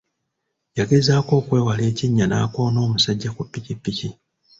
Yagezaako okwewala ekinnya n'akoona omusajja ku pikipiki.